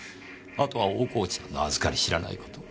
あとは大河内さんのあずかり知らない事。